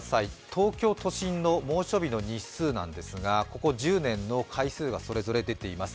東京都心の猛暑日の日数なんですがここ１０年の回数がそれぞれ出ています。